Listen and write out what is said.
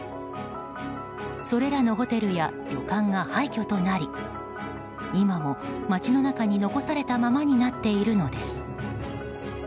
それらのホテルや旅館が廃虚となり今も町の中に残されたままになっているのです。